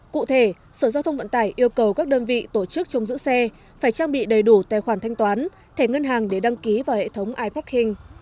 cụ thể sở giao thông vận tải yêu cầu các đơn vị tổ chức trong giữ xe phải trang bị đầy đủ tài khoản thanh toán thẻ ngân hàng để đăng ký vào hệ thống iparking